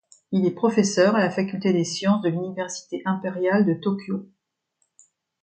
Il est professeur à la Faculté des Sciences de l'Université Impériale de Tokyo.